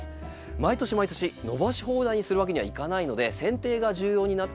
毎年毎年伸ばし放題にするわけにはいかないので剪定が重要になってきます。